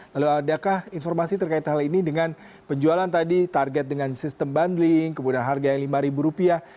lalu adakah informasi terkait hal ini dengan penjualan tadi target dengan sistem bundling kemudian harga yang lima ribu rupiah